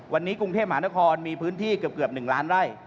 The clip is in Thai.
วันนี้กรุงเทพมหานครมีพื้นที่เกือบ๑ล้านไร่